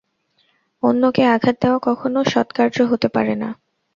অন্যকে আঘাত দেওয়া কখনও সৎকার্য হতে পারে না।